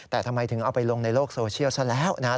แต่ทำไมถึงเอาไปลงในโลกโซเชียลซะแล้วนะครับ